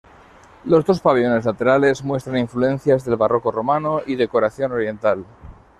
Los dos pabellones laterales muestran influencias del barroco romano y decoración oriental.